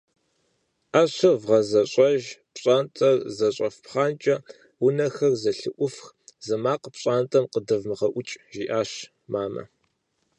«ӏэщыр вгъэзэщӏэж, пщӏантӏэр зэщӏэфпхъанкӏэ, унэхэр зэлъыӏуфх, зы макъ пщӏантӏэм къыдэвмыгъэӏук», - жиӏащ мамэ.